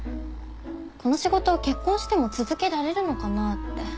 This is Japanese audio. この仕事結婚しても続けられるのかなって。